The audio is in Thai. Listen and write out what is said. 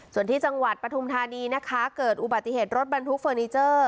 ส่วนที่จังหวัดปฐุมธานีนะคะเกิดอุบัติเหตุรถบรรทุกเฟอร์นิเจอร์